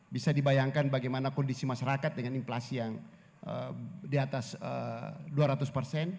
bisa dibayangkan bagaimana kondisi masyarakat dengan inflasi yang di atas dua ratus persen